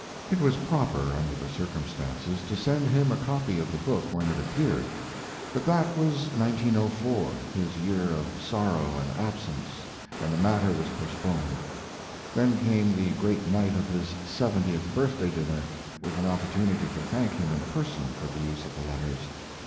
It was proper, under the circumstances, to send him a copy of the book when it appeared; but that was 1904, his year of sorrow and absence, and the matter was postponed. Then came the great night of his seventieth birthday dinner, with an opportunity to thank him in person for the use of the letters.